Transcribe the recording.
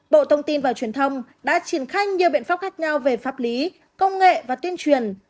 bộ thông tin và truyền thông đã triển khai nhiều biện pháp khác nhau về pháp lý công nghệ và tuyên truyền